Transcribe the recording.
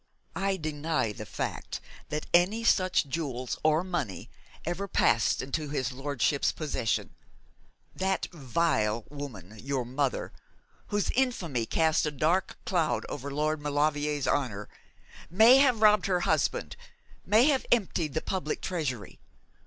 'I deny the fact that any such jewels or money ever passed into his lordship's possession. That vile woman, your mother, whose infamy cast a dark cloud over Lord Maulevrier's honour, may have robbed her husband, may have emptied the public treasury.